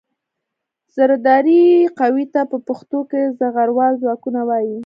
زرهدارې قوې ته په پښتو کې زغروال ځواکونه وايي.